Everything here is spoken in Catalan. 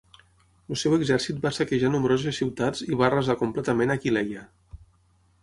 El seu exèrcit va saquejar nombroses ciutats i va arrasar completament Aquileia.